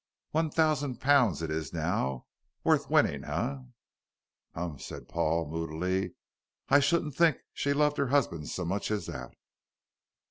One thousand pounds it is now worth winning, eh?" "Humph!" said Paul, moodily, "I shouldn't think she loved her husband so much as that."